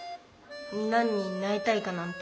何になりたいかなんて。